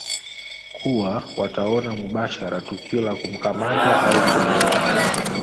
kuwa wataona mubashara tukio la kumkamata au kumuua